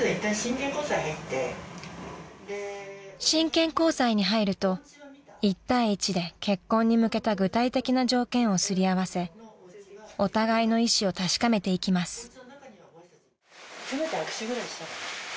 ［真剣交際に入ると１対１で結婚に向けた具体的な条件をすり合わせお互いの意思を確かめていきます］